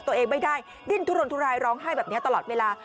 ตัวเองไม่ได้ดิ้นทุรนทุรายร้องไห้แบบนี้ตลอดเวลา